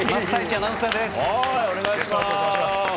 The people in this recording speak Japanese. はいお願いします。